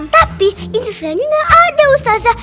tapi ini sesuai aja gak ada ustazah